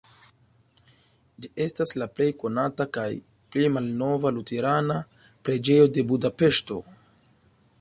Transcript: Ĝi estas la plej konata kaj plej malnova luterana preĝejo de Budapeŝto.